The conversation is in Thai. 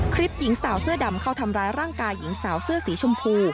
คลิปหญิงสาวเสื้อดำเข้าทำร้ายร่างกายหญิงสาวเสื้อสีชมพู